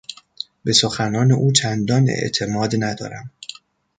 به سخنان او چندان اعتماد ندارم.